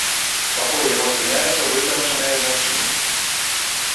Вакол яго спыняюцца выфранчаныя жанчыны.